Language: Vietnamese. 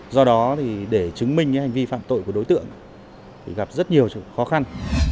do đó để chứng minh hành vi phạm tội của đối tượng thì gặp rất nhiều khó khăn